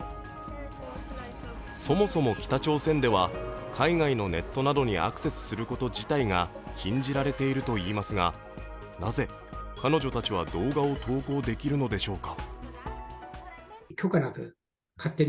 そもそも北朝鮮では海外のネットなどにアクセスすること自体が禁じられているといいますがなぜ彼女たちは動画を投稿できるのでしょうか。